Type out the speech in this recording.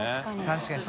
確かに。